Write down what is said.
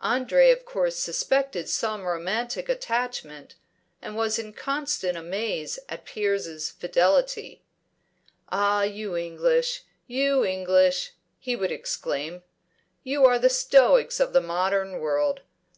Andre of course suspected some romantic attachment, and was in constant amaze at Piers' fidelity. "Ah, you English! you English!" he would exclaim. "You are the stoics of the modern world.